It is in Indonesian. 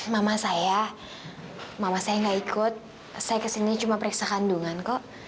mama saya mama saya nggak ikut saya ke sini cuma periksa kandungan kok